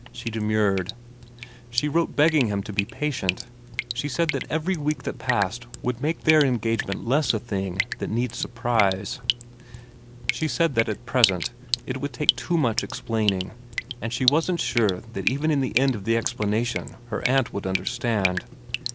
She demurred. She wrote begging him to be patient. She said that every week that passed would make their engagement less a thing that need surprise. She said that at present it would take too much explaining, and she wasn't sure that even at the end of the explanation her aunt would understand.